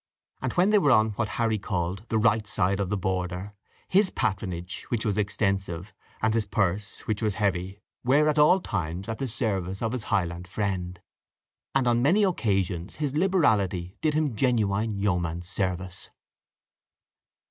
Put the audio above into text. and when they were on what Harry called the right side of the Border, his patronage, which was extensive, and his purse, which was heavy, were at all times at the service of his Highland friend, and on many occasions his liberality did him genuine yeoman's service.